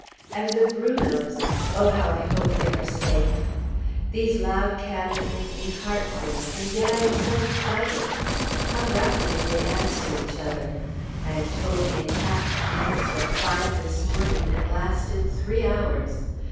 And the Brunots! Oh, how I hope they are safe. These loud cannon make me heartsick, and yet I am so excited! How rapidly they answer each other! I am told the attack commenced at five this morning, and lasted three hours.